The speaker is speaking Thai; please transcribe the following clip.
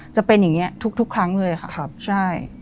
จะเป็นอย่างนี้ทุกครั้งเลยค่ะใช่